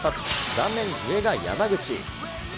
画面上が山口。